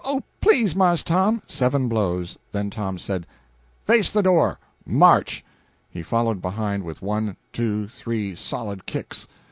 oh, please, Marse Tom!" Seven blows then Tom said, "Face the door march!" He followed behind with one, two, three solid kicks.